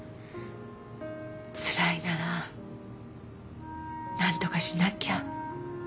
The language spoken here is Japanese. つらいなら何とかしなきゃ